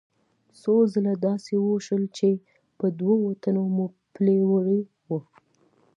څو ځله داسې وشول چې په دوو تنو مو پلي وړي وو.